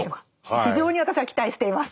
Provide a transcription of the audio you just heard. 非常に私は期待しています。